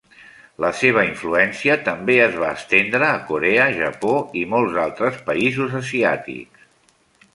La seva influència també es va estendre a Corea, Japó i molts altres països asiàtics.